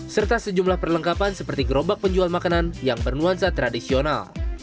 serta sejumlah perlengkapan seperti gerobak penjual makanan yang bernuansa tradisional